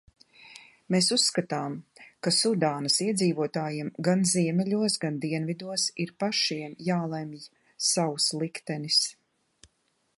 Mēs uzskatām, ka Sudānas iedzīvotājiem gan ziemeļos, gan dienvidos ir pašiem jālemj savs liktenis.